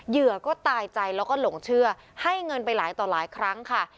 เหยื่อก็ตายใจแล้วก็หลงเชื่อให้เงินไปหลายต่อหลายครั้งค่ะ